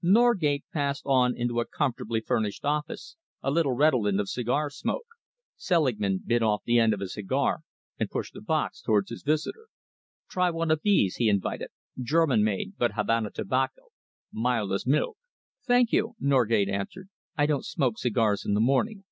Norgate passed on into a comfortably furnished office, a little redolent of cigar smoke. Selingman bit off the end of a cigar and pushed the box towards his visitor. "Try one of these," he invited. "German made, but Havana tobacco mild as milk." "Thank you," Norgate answered. "I don't smoke cigars in the morning.